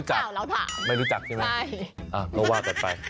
คุณชิสาไม่รู้จักใช่มั้ยคุณนักข่าวเราถาม